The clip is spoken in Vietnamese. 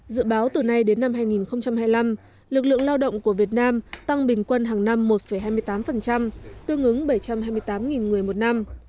dự báo từ nay đến năm hai nghìn hai mươi năm lực lượng lao động của việt nam tăng bình quân hàng năm một hai mươi tám tương ứng bảy trăm hai mươi tám người một năm